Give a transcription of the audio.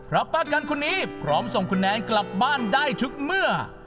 ป้ากันคนนี้พร้อมส่งคุณแนนกลับบ้านได้ทุกเมื่อ